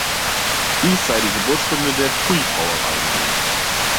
Dies sei die Geburtsstunde der Tui-Brauerei gewesen.